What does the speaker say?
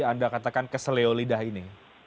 anda katakan keselio lidah ini